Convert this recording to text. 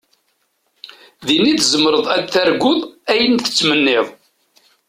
Din i tzemreḍ ad targuḍ ayen tettmenniḍ.